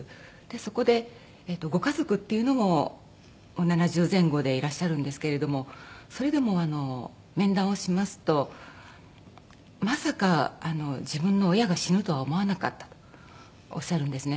そこでご家族っていうのも７０前後でいらっしゃるんですけれどもそれでもあの面談をしますと「まさか自分の親が死ぬとは思わなかった」とおっしゃるんですね。